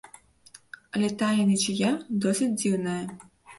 Але тая нічыя досыць дзіўная.